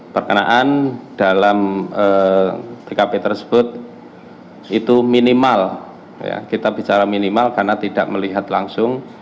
perkenaan dalam tkp tersebut itu minimal kita bicara minimal karena tidak melihat langsung